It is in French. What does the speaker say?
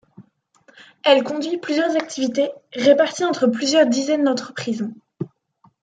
Elle conduit plusieurs activités, réparties entre plusieurs dizaines d'entreprises.